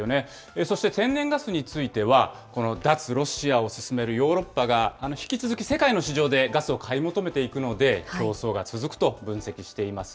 そして天然ガスについては、脱ロシアを進めるヨーロッパが、引き続き世界の市場でガスを買い求めていくので、競争が続くと分析しています。